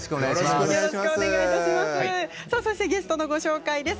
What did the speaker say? そしてゲストのご紹介です。